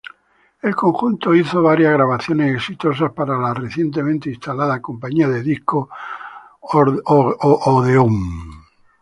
El conjunto hizo varias grabaciones exitosas para la recientemente instalada Compañía de discos Brunswick.